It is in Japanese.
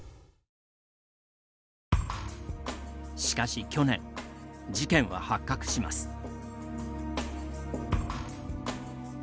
しかし去年、事件は発覚します。